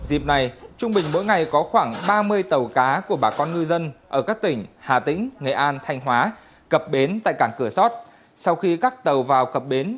hà tĩnh nghệ an thanh hóa cập bến tại cảng cửa sót sau khi các tàu vào cập bến